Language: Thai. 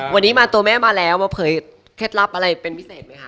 วันนี้มาตัวแม่มาแล้วมาเผยเคล็ดลับอะไรเป็นพิเศษไหมคะ